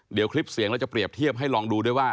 เดี๋ยวคลิปเสียงเราจะเปรียบเทียบให้ลองดูด้วยว่า